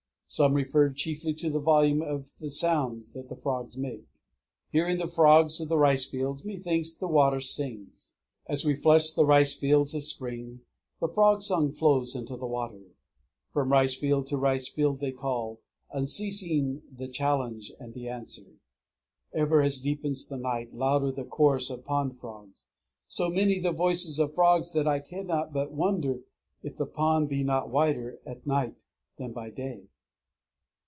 Some refer chiefly to the volume of the sound that the frogs make: Hearing the frogs of the ricefields, methinks that the water sings. As we flush the ricefields of spring, the frog song flows with the water. From ricefield to ricefield they call: unceasing the challenge and answer. Ever as deepens the night, louder the chorus of pond frogs. _So many the voices of frogs that I cannot but wonder if the pond be not wider at night than by day!